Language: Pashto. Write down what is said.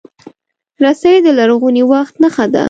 رسۍ د لرغوني وخت نښه ده.